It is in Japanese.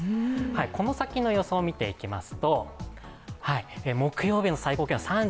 この先の予想を見ていきます。